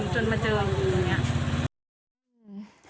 จนมาเจองูอย่างนี้